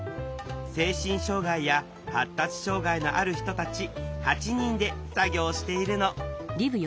精神障害や発達障害のある人たち８人で作業しているの。